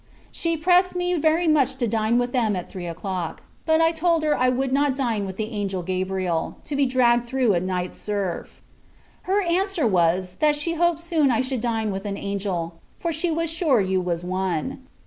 She pressed me very much to dine with them at three o'clock; but, I told her I would not dine with the angel Gabriel, to be dragged through a night surf! Her answer was, that she hoped soon I should dine with an angel, for she was sure you was one.